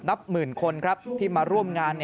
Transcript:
นับหมื่นคนครับที่มาร่วมงาน